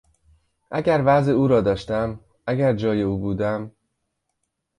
اگر وضع او را داشتم، اگر جای او بودم.